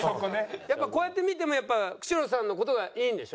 やっぱこうやって見ても久代さんの事がいいんでしょ？